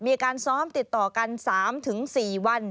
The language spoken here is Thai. มีการซ้อมติดต่อกัน๓๔วัน